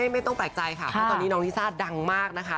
ไม่ต้องแปลกใจค่ะเพราะตอนนี้น้องลิซ่าดังมากนะคะ